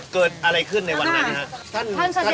เกิดอะไรขึ้นในวันนั้นครับ